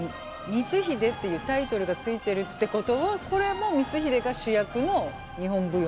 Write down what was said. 「光秀」っていうタイトルが付いてるってことはこれも光秀が主役の日本舞踊なんじゃないんですか。